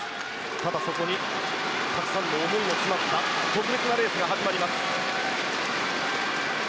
ただ、そこにたくさんの思いの詰まった特別なレーンが始まります。